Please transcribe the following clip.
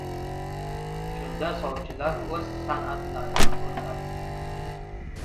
Shunda sovchilar o‘z san’atlarini qo‘lladi.